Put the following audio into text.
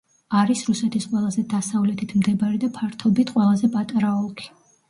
არის რუსეთის ყველაზე დასავლეთით მდებარე და ფართობით ყველაზე პატარა ოლქი.